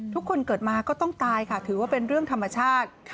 ทุกคนเกิดมาก็ต้องตายค่ะถือว่าเป็นเรื่องธรรมชาติ